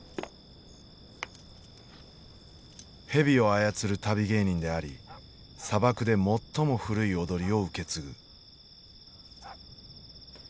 蛇を操る旅芸人であり砂漠で最も古い踊りを受け継ぐ。